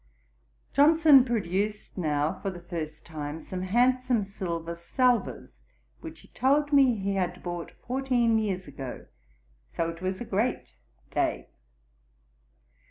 Johnson produced now, for the first time, some handsome silver salvers, which he told me he had bought fourteen years ago; so it was a great day.